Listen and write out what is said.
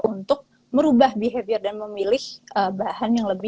untuk merubah behavior dan memilih bahan yang lebih